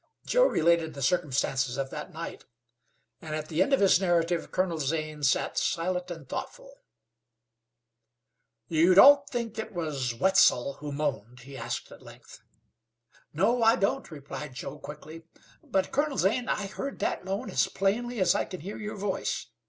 Joe related the circumstances of that night, and at the end of his narrative Colonel Zane sat silent and thoughtful. "You don't really think it was Wetzel who moaned?" he asked, at length. "No, I don't," replied Joe quickly; "but, Colonel Zane, I heard that moan as plainly as I can hear your voice.